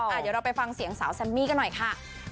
เดี๋ยวเราไปฟังเสียงสาวแซมมี่กันหน่อยค่ะ